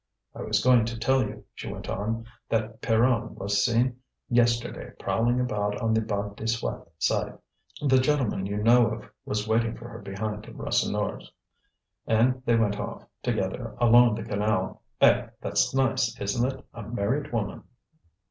"I was going to tell you," she went on, "that Pierronne was seen yesterday prowling about on the Bas de Soie side. The gentleman you know of was waiting for her behind Rasseneur's, and they went off together along the canal. Eh! that's nice, isn't it? A married woman!"